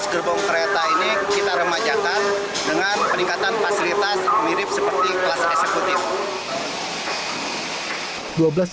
dua belas gerbong kereta ini kita remajakan dengan peningkatan fasilitas mirip seperti kelas eksekutif